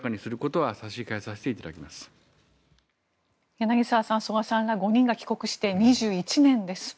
柳澤さん曽我さんら５人が帰国して２１年です。